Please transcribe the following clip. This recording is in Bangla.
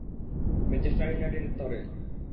ম্যানচেস্টার ইউনাইটেডের তরে!